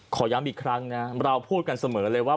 ขอย้ำอีกครั้งนะเราพูดกันเสมอเลยว่า